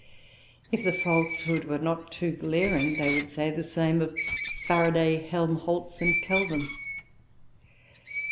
If the falsehood were not too glaring, they would say the same of Faraday and Helmholtz and Kelvin.